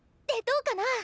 でどうかな？